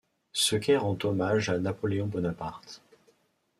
Ce quai rend hommage à Napoléon Bonaparte.